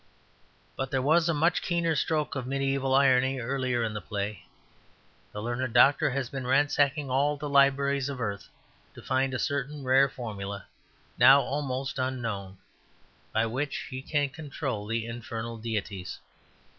But there was a much keener stroke of mediaeval irony earlier in the play. The learned doctor has been ransacking all the libraries of the earth to find a certain rare formula, now almost unknown, by which he can control the infernal deities.